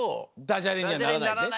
ダジャレにはならないですね。